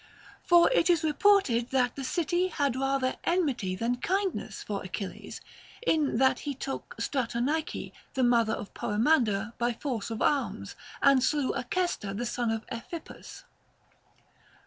For it is reported that the city had rather enmity than kindness for Achilles, in that he took Stratonice, the mother of Poe mander, by force of arms, and slew Acestor the son of Ephippus.